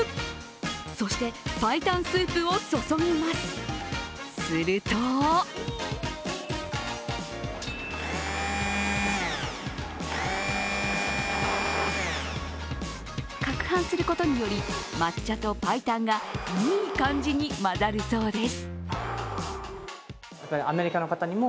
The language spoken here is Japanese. そして、白湯スープを注ぎます、すると攪拌することにより抹茶と白湯がいい感じに混ざるそうです。